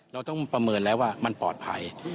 เราต้องประเมินแล้วว่ามันปลอดภัย